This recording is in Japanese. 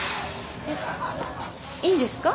えっいいんですか？